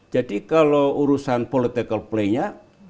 jadi kalau urusan political play nya